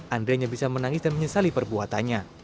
andri hanya bisa menangis dan menyesali perbuatannya